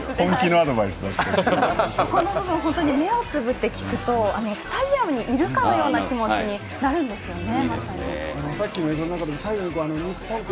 目をつぶって聴くとスタジアムにいるような気持ちになるんですよね。